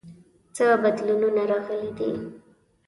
څه بدلونونه راغلي دي؟